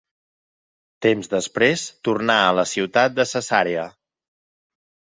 Temps després tornà a la ciutat de Cesarea.